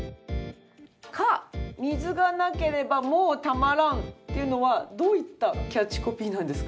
「蚊水がなければもうたまらん」っていうのはどういったキャッチコピーなんですか？